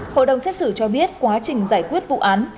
hội đồng xét xử cho biết quá trình giải quyết vụ án